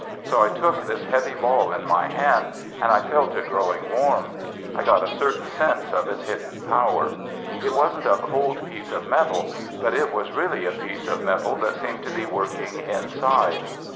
So I took this heavy ball in my hand and I felt it growing warm, I got a certain sense of its hidden power. It wasn't a cold piece of metal, but it was really a piece of metal that seemed to be working inside.